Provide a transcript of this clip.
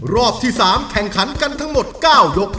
รอบที่๓แข่งขันกันทั้งหมด๙ยก